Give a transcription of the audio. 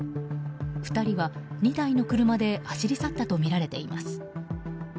２人は２台の車で走り去ったとみられています。